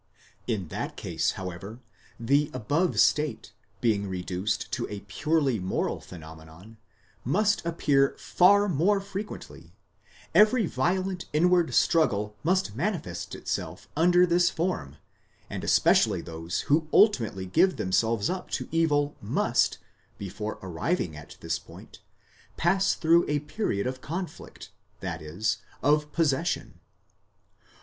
In that case, however, the above state, being reduced to a purely moral phenomenon, must appear far more frequently ; every violent inward struggle must manifest itself under this form, and especially those who ultimately give themselves up to evil must, before arriving at this point, pass through a period of conflict, that is of possession.